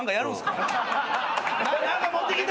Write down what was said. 何か持ってきた！